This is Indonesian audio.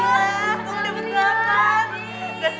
eh jangan banget